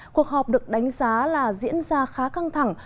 cuộc họp được đánh giá là diễn ra khá căng thẳng